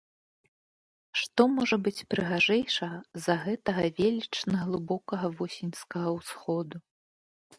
Што можа быць прыгажэйшага за гэтага велічна глыбокага восеньскага ўсходу?